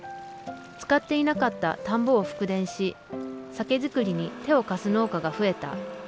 使っていなかった田んぼを復田し酒造りに手を貸す農家が増えた。